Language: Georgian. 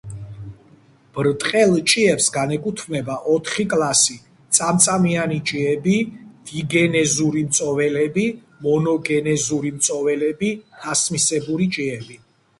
ბრტყელ ჭიებს განეკუთვნება ოთხი კლასი: წამწამიანი ჭიები, დიგენეზური მწოველები, მონოგენეზური მწოველები, თასმისებური ჭიები.